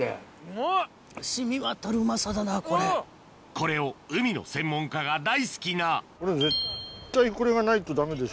これを海の専門家が大好きな絶対これがないとダメです。